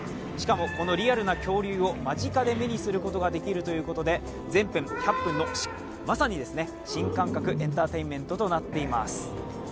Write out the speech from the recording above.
このリアルな東京を間近で見られるということで全編１００分の、まさに新感覚のエンターテインメントになっています。